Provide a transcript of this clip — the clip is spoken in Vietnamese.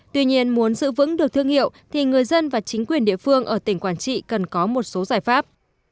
tuy nhiên muốn giữ vững được thương hiệu thì người dân và chính quyền địa phương ở tỉnh quảng trị cần có một số giải pháp